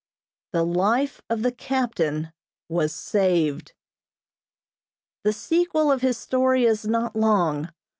The life of the captain was saved. The sequel of his story is not long.